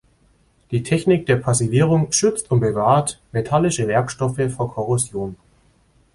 Die Technik der Passivierung schützt und bewahrt metallische Werkstoffe vor Korrosion.